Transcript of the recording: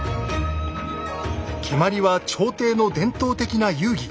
蹴鞠は朝廷の伝統的な遊技。